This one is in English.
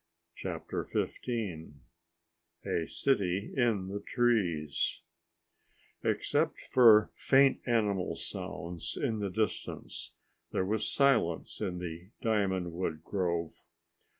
CHAPTER FIFTEEN A City in the Trees Except for faint animal sounds in the distance, there was silence in the diamond wood grove.